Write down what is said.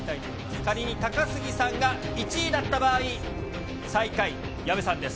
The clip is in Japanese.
仮に高杉さんが１位だった場合、最下位、矢部さんです。